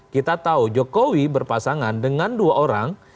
kita tahu jokowi berpasangan dengan dua orang